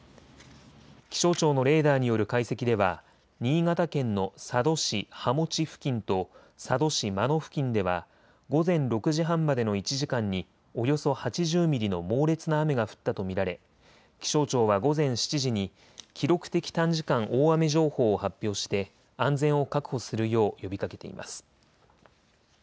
気象庁のレーダーによる解析では新潟県の佐渡市羽茂付近と佐渡市真野付近では午前６時半までの１時間におよそ８０ミリの猛烈な雨が降ったと見られ気象庁は午前７時に記録的短時間大雨情報を発表して安全を確保するよう呼びかけています。